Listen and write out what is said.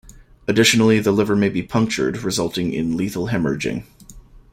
Additionally, the liver may be punctured, resulting in lethal hemorrhaging.